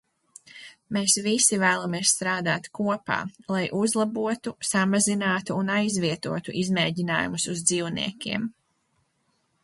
Mēs visi vēlamies strādāt kopā, lai uzlabotu, samazinātu un aizvietotu izmēģinājumus ar dzīvniekiem.